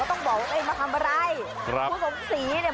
มอลำคลายเสียงมาแล้วมอลำคลายเสียงมาแล้ว